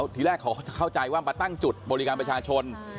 ทีแรกเขาเข้าใจว่ามาตั้งจุดบริการประชาชน